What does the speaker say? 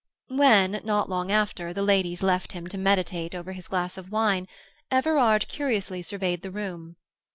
When, not long after, the ladies left him to meditate over his glass of wine, Everard curiously surveyed the room.